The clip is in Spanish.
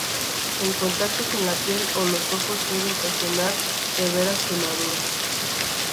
En contacto con la piel o los ojos, puede ocasionar severas quemaduras.